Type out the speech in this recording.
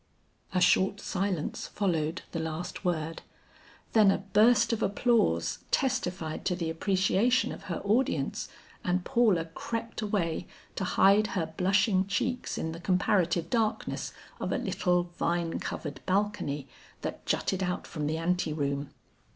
A short silence followed the last word, then a burst of applause testified to the appreciation of her audience, and Paula crept away to hide her blushing cheeks in the comparative darkness of a little vine covered balcony that jutted out from the ante room.